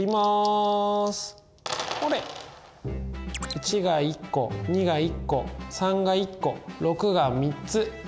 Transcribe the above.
１が１個２が１個３が１個６が３つ！